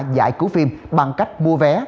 giải cứu phim bằng cách mua vé